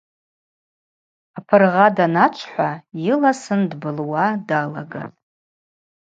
Апыргъа даначвхӏва йыласын дбылуа далагатӏ.